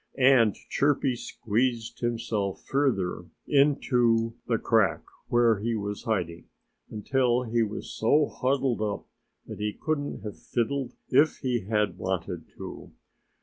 And Chirpy squeezed himself further into the crack where he was hiding until he was so huddled up that he couldn't have fiddled if he had wanted to.